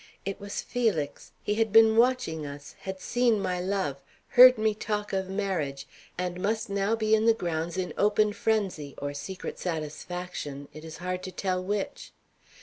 It was Felix. He had been watching us, had seen my love, heard me talk of marriage, and must now be in the grounds in open frenzy, or secret satisfaction, it was hard to tell which.